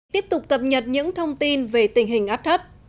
tiếp tục cập nhật những thông tin về tình hình áp thấp